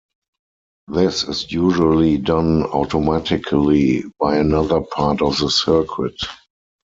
This is usually done automatically by another part of the circuit.